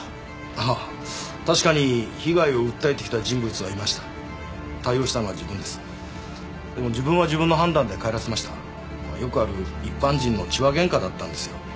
はっ確かに被害を訴えてきた人物は対応したのは自分ですでも自分は自分の判断で帰らせましたよくある一般人の痴話ゲンカだったんです